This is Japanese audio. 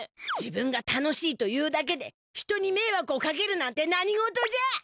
自分が楽しいというだけで人にめいわくをかけるなんて何事じゃ！